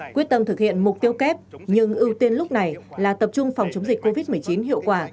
quyết tâm thực hiện mục tiêu kép nhưng ưu tiên lúc này là tập trung phòng chống dịch covid một mươi chín hiệu quả